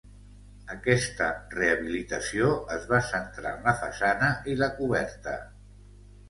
Aquesta rehabilitació es va centrar en la façana i la coberta.